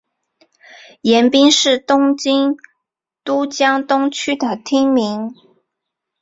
盐滨是东京都江东区的町名。